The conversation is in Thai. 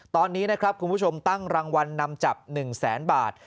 ตอนนี้นะครับคุณผู้ชมตั้งรางวัลนำจับ๑แสนบาท